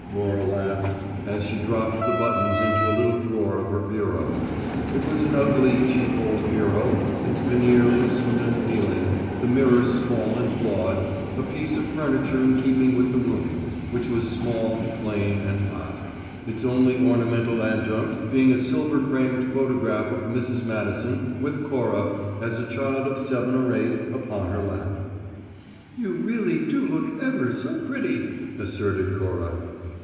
Laura laughed, as she dropped the buttons into a little drawer of her bureau. It was an ugly, cheap, old bureau, its veneer loosened and peeling, the mirror small and flawed a piece of furniture in keeping with the room, which was small, plain and hot, its only ornamental adjunct being a silver framed photograph of Mrs. Madison, with Cora, as a child of seven or eight, upon her lap. "You really do look ever so pretty," asserted Cora.